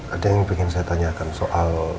ada yang ingin saya tanyakan soal